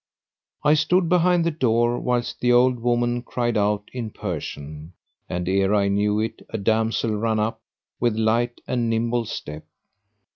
[FN#525] I stood behind the door, whilst the old woman cried out in Persian, and ere I knew it a damsel ran up with light and nimble step.